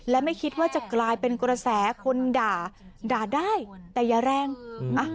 และไม่คิดว่าจะกลายเป็นกระแสคนด่าด่าได้แต่อย่าแรงอ่ะ